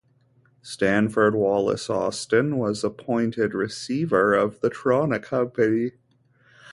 Stanford Wallace Austin was appointed receiver of the Trona Company.